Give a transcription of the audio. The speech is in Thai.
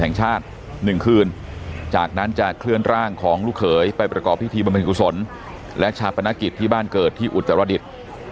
แห่งชาติ๑คืนจากนั้นจะเคลื่อนร่างของลูกเขยไปประกอบพิธีบำเน็กกุศลและชาปนกิจที่บ้านเกิดที่อุตรดิษฐ์